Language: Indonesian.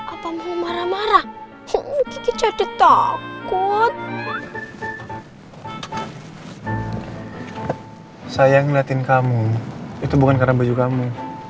apa mau marah marah jadi takut sayang ngeliatin kamu itu bukan karena baju kamu